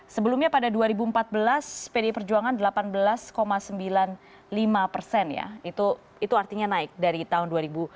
sebelumnya pada dua ribu empat belas pdi perjuangan delapan belas sembilan puluh lima persen ya itu artinya naik dari tahun dua ribu lima belas